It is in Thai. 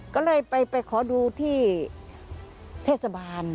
ก็เลยไปขอดูที่เทศบาล